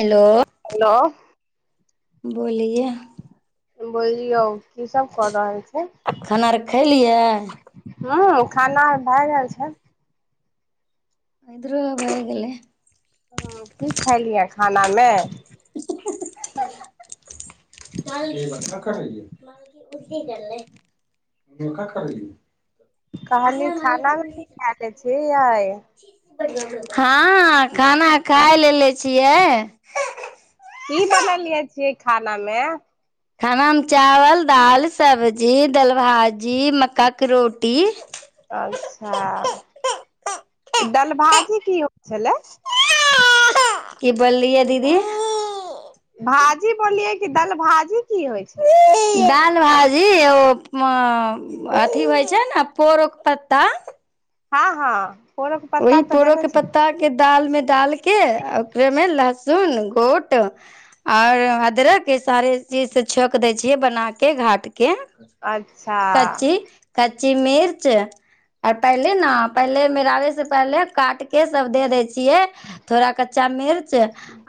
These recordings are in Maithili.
हेलो? हेलो। बोलिेये? बोललियौ, की सब क रहल छै? खाना अर खेलियै? हू, खाना भए गेल छै। इधरो भोए गेलयै। ह, की खेलियै खानामे? उी करल [unintelligible] क करी [unintelligible] कहली, खानामे [unintelligible] खा ले छिय अै? हँ, खाना खााय लेले छियै। की बनेलिये छियै, खाना मे? खानामे, चावल, दाल, सब्जी, दालभाजी, मक्काके रोटी। अच्छा, ई दलभाजी की होइ छलै? कि बलिय दीदी? भाजी बोललियै, कि दलभाजी की होइ छै? दाल भाजी ओ, अथी होइ छै ने, पोरक पत्ता। हँ- हँ, पोरक पत्ता ओहि तऽ पोरो के जानै छै। पत्ता दाल मे डालके, ओकरेमे लहसुन गोट आओर, अदरकके सारे चीज से छौंक दै छियै, बनाके घाटके। अच्छा कची कच्ची मिर्च, और पहले न, पहले मेरा से पहले काट के सब दे दै छै। चिए, थोड़ा कच्चा मिर्च,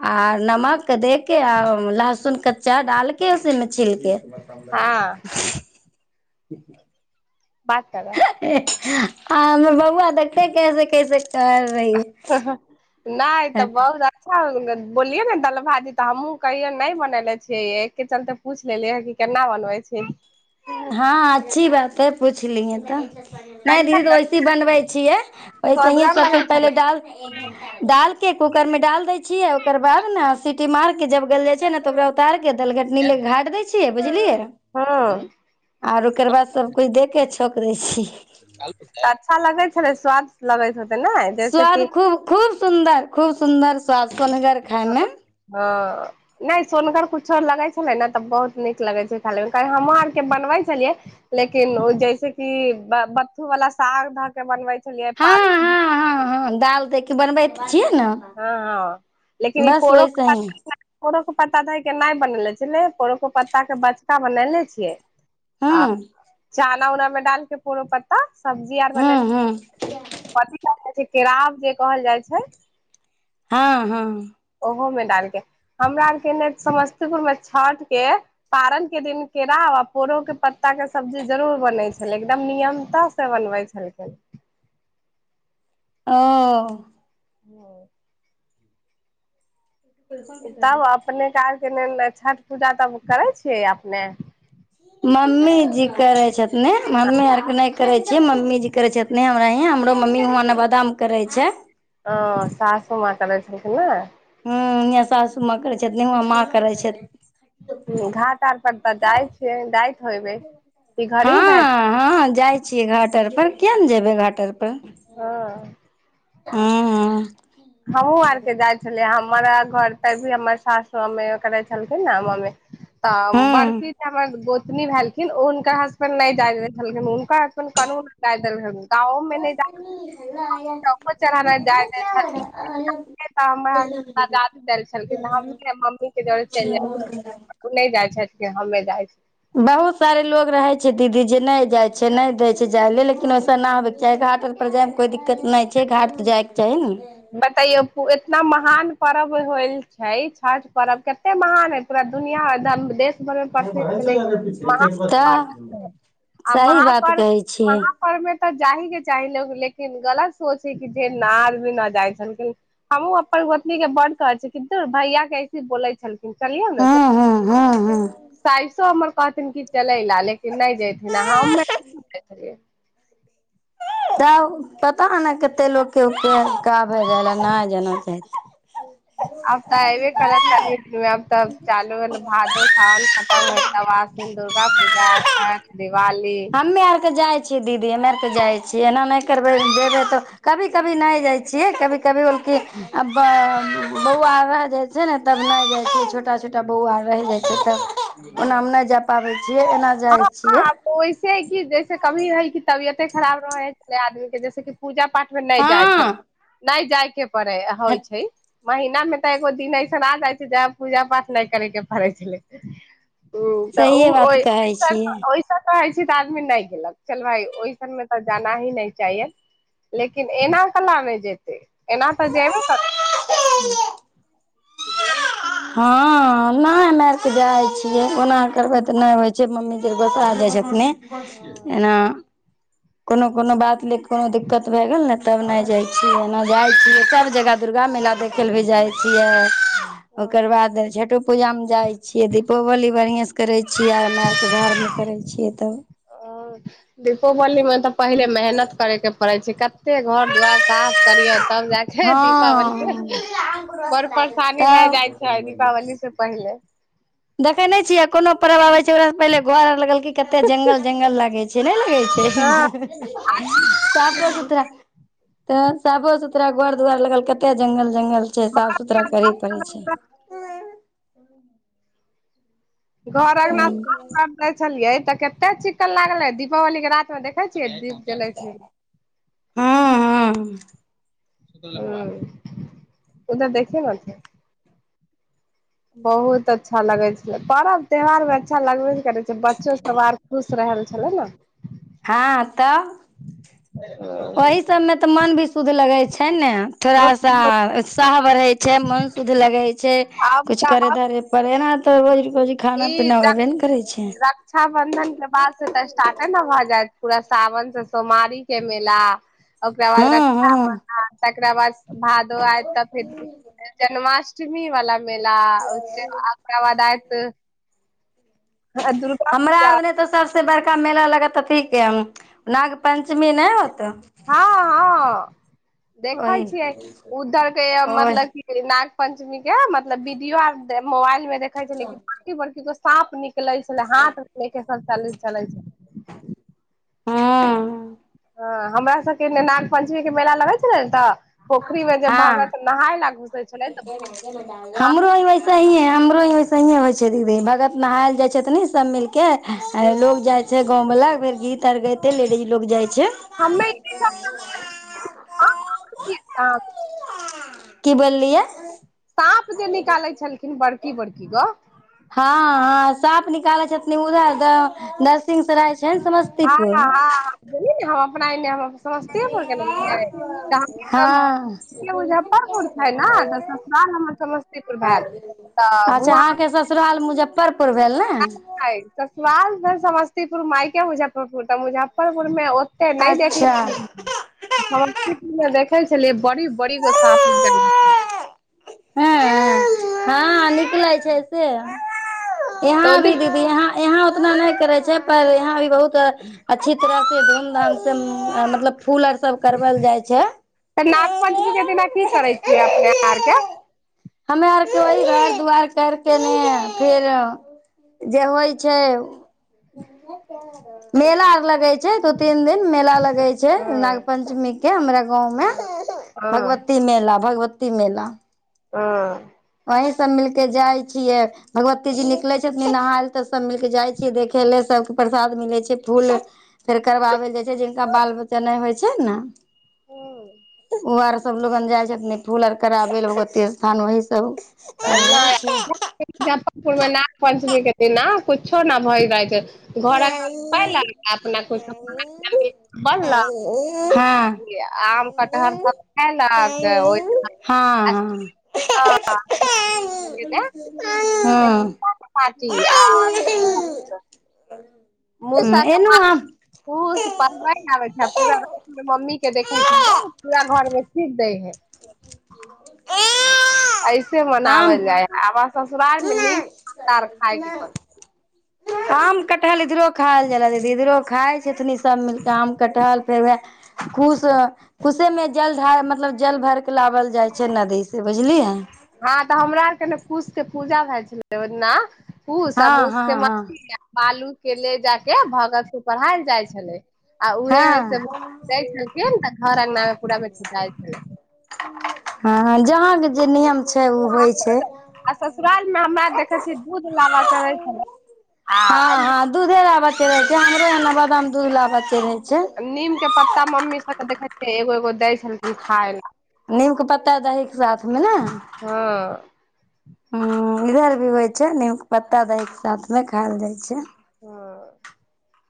आ नमक दे के, आ लहसुन चार डालके, उसीमे छिलके। हँ बात करा आ हमे बौआ देखते, कैसे -कैसे कर रहियै। नहि, तऽ बहुत [unintelligible] बोलियै ने दल भाजी, तऽ हमहूँ कहियै नहि बनने छियै, एकके चलते पूछ लेलिय ह, कि केना बनबै छी? हँ, अच्छी बात है। पुछलियै तऽ, नै दीदी कैसन तऽ वैसी बनबै छियै, वैसेहे स्वदगर सबकोइ लगै पहिले छलै दाल दालके कूकर मे डाल दै छियै, ओकर बाद न सीटी मार के जब गैल जाइ छै ने, तब ओकरा उतार के दलघटनी ले घाट दै छियै, बुझलियै? हँ आर ओकर बाद सबकुछ दे के छौंक दै छी। अच्छा लगै छेलै, स्वाद लगैत हेत स्वाद खूब- खूब सुन्दर, खूब सुन्दर स्वाद सोनघर ह हँ नैय सोनघर कुछो लगै छेलै न, तऽ बहुत नीक लगै छै खामे, हमहूँ आरके बनबै छेलियै। लेकिन ओ जैसेेकी बत बथू वाला साग धऽ के बनबै छेलियै पालक हँ-हँ-हँ दाल दे के बनबैत छियै न? हँ हँ लेकिन ई पोरो ही [unintelligible] पोड़ोके पत्ता धऽ के नै बनेले छेलै, पोड़ोके पत्ता के बचका बनेनेे छियै? हूँ आ चना उनामे डालके पोरो पत्ता सब्जी आर बने हूँ हूँ कथि कहै जाइ छै? केराव जे कहल जाइ छै। हँ -हँ। ओहो मे डालके हमरा ओरके ने समस्तीपुर मे छाठ के पारन के दिन केराव आ पोरो के पत्ता के सब्जी जरूर बनै छेलै। एकदम नियमतह से बनबै [inaudible] ओ [inaudible] तब अपने [unintelligible] छठ पूजा तब करै छियै अपने? मम्मी जी करै छथि ने, मम्मी आरके नै करै छियै मम्मी जी करै छथि ने हमरा यहा, हमरो मम्मी नवादा मे करै छै। ओ सासू माँ करै छलखिन ने? हुम्म हमर सासू माँ करै छथिन, हमर माँ करै छथि। घाट -आर पर तऽ जाइ छियै, जाइत होयबै कि घरही हँ भए हँ जाइ छीयै घाट-आर पर। किया नै जेबै घाट आर पर? हँ [unintelligible] हमहु आर के जाइ छेलिया। हमरा घर तर भी हमर सास मम्मी करै छेलखिन ने मम्मी तऽ हूं बड़की त हमर गोतनी भेल खिन हुनका हसबैंड नै जाय दय छेलखिन, हुनका हसबैंड कनहु न जाय दय छेलखिन। चौको चरहा नहि जाय दै [inaudible] छलखिन तऽ हमर [unintelligible] आजादी दैय छेलखिन तऽ हमहु ने मम्मी के जोरे चलि जाय ओ नैय जाइ छेलखिन हमे जाइ बहुत सारे लोक रहै छै दीदी जे नै जाइ छै, नै दै छै जाय ले, लेकिन ओइ सँ न होइबाक चाही घाट पर जाइमे कोइ दिक्कत नै छै, घाट तऽ जाइके चाही ने। बतइयौ इतना महान पर्व होइल छै, छठि पर्व के कते महान हैय पूरा दुनिया [unintelligible] देश प्रसिद्ध छेलै तऽ [unintelligible] आ सही बात कहै छियै महापरव आओर में तऽ जा ही के चाही, लेकिन गलत सोच हैय कि जे न आदमी न जाइ छेलखिन। हमहु अपन गोतनी के बड कहै छियै, कि धुर भैया कैसे बोलै छल चलियौ न [inaudible] हूं हूं हूं हूं साइसो हमर कहथिन कि चलै लेऽ लेकिन नै जेथिन हम [inaudible] तब पता नै कते लोक के उपका भइ गेल हैय न जाय चाहै आब तऽ एबे करत कनी दिन में आब तऽ चालू भेल भादो साबन खतम भ तब आसिन दुर्गा पूजा छ्ठ दिवाली हम्मे आरके जाइ छियै दीदी हम आरके जाइ छियै एना नहि करबै जेबै तऽ कभी कभी नै जाइ छियै कभी कभी भेल की आ बौआ रहि जाइ छैयने तब नहि जाइ छियै छोटा छोटा बौआ रहि जाइ छैयने तब ओना मे हँ नै जा पबैत छियै एना जाइ छियै। ओइसे कि जैसे कभी रहे कि तबियते खराब रहल आदमी के जैसे कि पूजा पाठ मे नहि जाइ हँ छलखिन नहि जाय के पड़य होइ छैय। महिना मे तऽ एगो दिन ऐसन आ जाइ छैय जे पूजा पाठ नहि करै के पड़य छलै। ह सहिए बात कहै छियै तऽ [unintelligible] रहै छै तऽ आदमी नहि गेलक चल भाय ओहिसन मे तऽ जाना ही नै चाही। लेकिन एना कना नै जेतै एना तऽ जेबे करतै। हँ नहि नहि से जाय छियै ओना करबै त नहि होय छैय मम्मी एक गोटा जे छथिने एना कोनो कोनो बात ले कोनो दिक्कत भए गेल ने तब नहि जाइ छियै एना जाइ छियै सब जगह दुर्गा मेला देखै लए भी जाइ छियै। यऽ ओकर बाद छठो पूजामे जाइ छियै दीपोवली बढ़िएँसँ करै छियै। मारिते झाड़ झूर करै छियै तऽ। ओ दीपवलीमे तऽ पहिले मेहनत करयके पड़ै छैय कते घर दुआर साफ करियो तब जा कऽ दीपावलीके हँ बड़ परेशानी भए तब जाइ छैय दीपावली से पहिले। देखेने छियै। कोनो परव आबै छै ओकरासँ पहिले घर आर लगलकै कते जंगल जंगल लागै छैय नै लगै छैय। हँ साफो सुथरा तऽ साफो सुथरा घर दुआर लगल कते जंगल जंगल छैय साफ सुथरा करै पड़ै छैय। घर अंगना साफ करै छलियै तऽ कते चिक्कन लागलै दीपावली के रात मे देखै छियै दीप जलै छैय। हँ हँ। ह [unintelligible] बहुत अच्छा लगै छैय पर्व त्यौहारमे अच्छा लगबे ने करै छैय बच्चो सब आर खुश रहल छलै न। हँ तऽ ओहि सबमे तऽ मन भी शुद्ध लगै छैय ने। थोड़ा सा उत्साह बढ़ै छैय मन शुद्ध लगै छैय आब कुछ तऽ करै आब धरे पर एना तऽ रोज रोज खाना पीना होयबे ने करै छैय। रक्षाबंधन के बाद से तऽ स्टार्टे ने भऽ जायत पूरा सावन से सोमवारी के मेला ओकरा बाद हँ रक्षा हँ बंधन तकरा बाद भादव आयत तऽ फिर जन्माष्टमी वाला मेला ओयके ओकरा वाद आयत दुर्गा हमरा पूजा आरदने तऽ सबसे बड़का मेला लगत अथी के ह नाग पंचमी नहि होत हँ हँ देखै ओहि छियै उधर के ओहि मतलब कि नाग पंचमी के मतलब वीडियो आर मोबाइल मे देखै छेलियै बड़की बड़की के साँप नि कलै छलै हाथ ले के सब चलै छलै। हँ। हँ हमरा सबके न नाग पञ्चमी के मेला लगै छलै, ने तऽ पोखरी मे जब भगत नहाय ला घुसे छलै तऽ। ह ब। हमरो ही वैसेहिे हमरो ही वैसे होइ छै, दीदी भगत नहायलै जाइ छै, तऽ नहि सब मिल के। लोग जाय छै, गाँंव वला फेर गीत आर गइते लेडीज लोग जाय छै। हममे इ। क त। कि बोललियै। साँप जे निकालै छलखिन बड़की बड़की गो। हँ हँ सांप निकालै छथिन उधर दरसिंह सराय छै ने हँ समस्तीपुर। हँ बोली दे ह अपना एने है। समस्तीपुर गेले छियै, तऽ हम हँ मुजफ्फरपुर छै ने तऽ ससुराल हमर। समस्तीपुर भेल तऽ अच्छा हुवा। अहाँके ससुराल मुजफ्फरपुर भेल ने। ससुराल भेल समस्तीपुर मायके मुजफ्फरपुर तऽ मुजफ्फरपुर मे। त नहि अच्छा देखलेखिन। समस्तीपुर मे देखै छलियै बड़ी बड़ी गो सांप आओर के। ह हँ निकलै छै से यहाँ तऽ ओहि भी दीदी दिन यहाँ। यहाँ उतना नहि करै छै पर यहाँ अभी बहुत। अच्छी तरह से धूमधाम से मतलब फूल आर सब करवल जाय छै। तऽ नाग पञ्चमी के दिना की करै छियै अपने आरके। हमे आरके ओहि घर दुआर कर के ने फिर। जे होइ छै, मेला आर लगै छै। छै दू तीन दिन मेला लगै छै, हँ नाग पञ्चमी के हमरा गाँव मे। हँ हँ भगवती मेला भगवती मेला। ह। वहीं सब मिलके जाय छियै, भगवती जी निकले छथिन नहाय। तऽ सब मिलके जाइ छीयै देखे ले सब। प्रसाद मिलै छै, फूल फेर करबाबै ल जाइ छै, जिनका बाल बच्चा नहि होइ छै ने। ओ आर सब लोगन जाइ छथिन, फूल आर कराबै भगती स्थान वह सब। नहि मुजफ्फरपुरमे नाग पञ्चमीक के दिन ने कुछो न भय जाइत छै। घर आंगन पलक अपना हँ कछ बनलक। हँ आम कटहर सब खैलक ओर दिना। हँ हँ। पार्टी आ। ह। मौसा के पढ़बे आबै छै पूरा। मम्मी के देखै छै पूरा घरमे फिर दै है। ऐसे आम मनाओल जाइ है, आब ससुरार मे नीम पत खायके प। आम कटहल इधरो खायएल जा दीदी इधरो खाइ छै तनी। सब मिलके आम कटहल फेर वह कुश कुशे मे जल डार मतलब जल भरके। लाओल जाइ छै, नदी से बुझलियै। हँ तऽ हमरा आरके ने कूश के पूजा भए छलै, ओना कूश हँ आसके हँ म। हँ बालू के ले ज के भगत से पढ़ायल जाइ छले। आ उहे ह से हँ दै छलखिन तऽ घर अंगना मे पूरा में छुटा छलै। ह जहाँके जे नियम छै ओ अहाँ होइ छै। कहलहुँ, आ ससुराल में हमरा देखे छीै दूध लाबा चे छले। हँ हँ दूधे लाबे रहे छै हमरे ए ब मे दूध लाबे रहय छै। नीम के पत्ता मम्मी सब के देखे छियै एगो एगो दै छल। नीमके पत्ता दही के साथमे ने। हँ इधर भी होइ छै नीमके पत्ता दहके साथमे खाएल जाइ छै। ह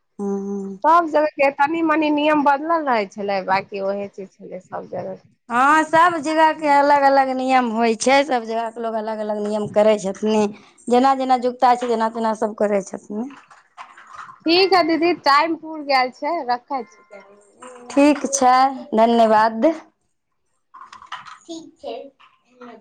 ह सब जगह के। तनी मनी नियम बदलल रहै छलै बाँकी ओएहे चीज छलै सभ जगह। हँं सब जगह के अलग अलग नियम होय छै सब जगह के लोग अलग। अलग अलग नियम करै छथिन जेना जेना जुगता छै तना तेना सब करै छथिन। ठीक है दीदी टाइम पूुर गेल छै। रखे छी ठ। ठीक छै धन्यवाद ठ छै।